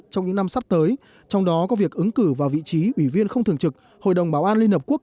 trong những năm sắp tới trong đó có việc ứng cử vào vị trí ủy viên không thường trực hội đồng bảo an liên hợp quốc